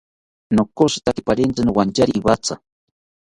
Nonkotzitaki pariantzi nowantyari iwatha